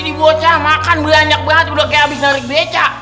ini buatnya makan banyak banget udah kayak habis nerik beca